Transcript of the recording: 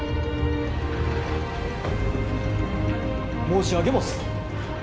申し上げもす。